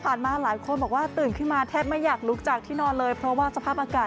มาหลายคนบอกว่าตื่นขึ้นมาแทบไม่อยากลุกจากที่นอนเลยเพราะว่าสภาพอากาศ